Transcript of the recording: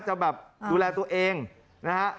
จะแบบดูแลตัวเองนะฮะ